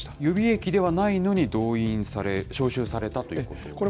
予備役ではないのに動員され、招集されたということ。